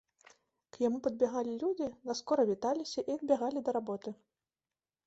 К яму падбягалі людзі, наскора віталіся і адбягалі да работы.